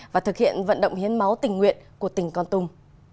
và thực hiện vận động hiến máu tình nguyện của tỉnh con tum